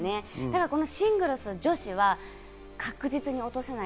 シングルス女子は確実に落とせない。